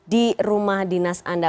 di rumah dinas anda